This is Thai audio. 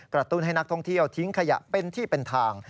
ตุ้นให้นักท่องเที่ยวทิ้งขยะเป็นที่เป็นทาง